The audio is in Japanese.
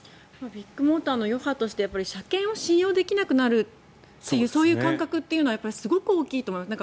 ビッグモーターの余波として車検を信用できなくなるという感覚はすごく大きいと思います。